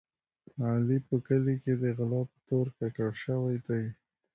علي په کلي کې د غلا په تور ککړ شوی دی.